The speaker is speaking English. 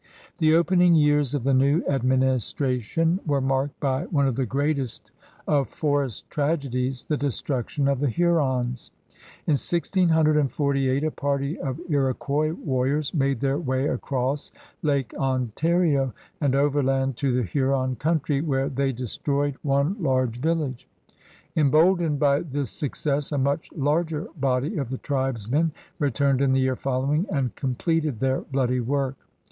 The opening years of the new administration were marked by one of the greatest of forest tragedies, the destruction of the Hurons. In 1648 a party of Iroquois warriors made their way across Lake Ontario and overland to the Huron country, where they destroyed one large 56 CRUSADEBS OF NEW FRANCE village. Emboldened by this success, a much larger body of the tribesmen returned in the year following and completed their bloody work.